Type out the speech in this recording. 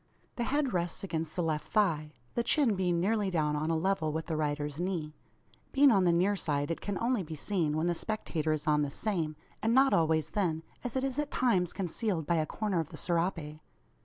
The head rests against the left thigh, the chin being nearly down on a level with the rider's knee. Being on the near side it can only be seen, when the spectator is on the same; and not always then, as it is at times concealed by a corner of the serape.